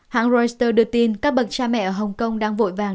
hãng reuters đưa tin các bậc cha mẹ ở hồng kông đang vội vàng